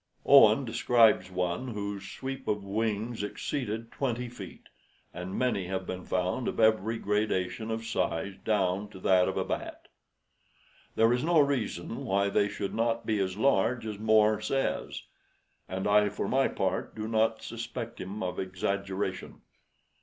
Owen describes one whose sweep of wings exceeded twenty feet, and many have been found of every gradation of size down to that of a bat. There is no reason why they should not be as large as More says; and I for my part do not suspect him of exaggeration.